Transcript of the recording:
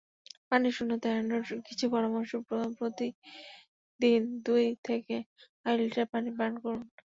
পানিশূন্যতা এড়ানোর কিছু পরামর্শপ্রতি দিন দুই থেকে আড়াই লিটার পানি পান করুন।